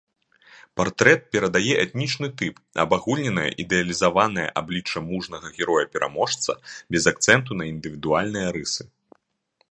Партрэт перадае этнічны тып, абагульненае ідэалізаванае аблічча мужнага героя-пераможца, без акцэнту на індывідуальныя рысы.